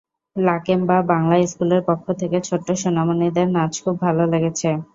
Lakemba Bangla স্কুলের পক্ষ থেকে ছোট্ট সোনামণিদের নাচ খুব ভালো লেগেছে।